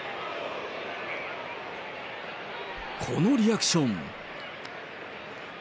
このリアクション。